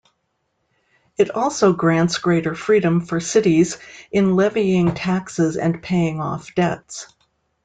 It also grants greater freedom for cities in levying taxes and paying off debts.